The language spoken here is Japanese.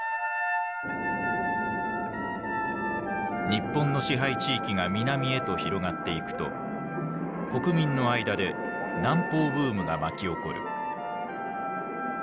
日本の支配地域が南へと広がっていくと国民の間で南方ブームが巻き起こる。